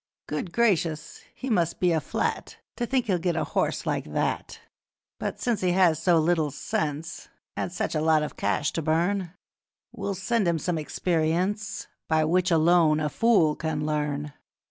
Good gracious! he must be a flat To think he'll get a horse like that! 'But since he has so little sense And such a lot of cash to burn, We'll sell him some experience By which alone a fool can learn.